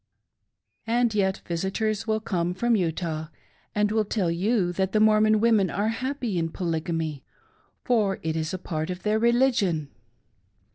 And yet visitors will come from Utah, and will tell you that the Mormon women are happy in Polygamy, for it is a part of their religion.